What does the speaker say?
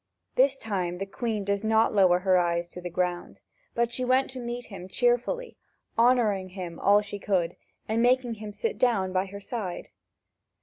This time the Queen did not lower her eyes to the ground, but she went to meet him cheerfully, honouring him all she could, and making him sit down by her side.